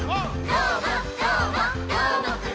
「どーもどーもどーもくん！」